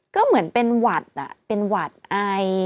ก็เหมือนเป็นหวัดเป็นหวัดไอ